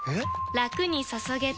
ラクに注げてペコ！